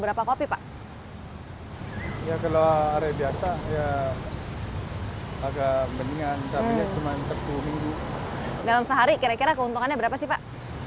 berapa kopi pak ya kalau hari biasa ya agak mendingan tapi ya cuma sepuluh minggu dalam sehari kira kira keuntungannya berapa sih pak